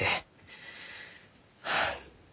はあ。